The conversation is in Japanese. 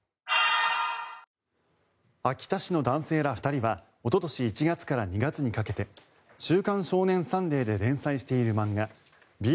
秋田市の男性ら２人はおととし１月から２月にかけて「週刊少年サンデー」で連載している漫画「ＢＥＢＬＵＥＳ！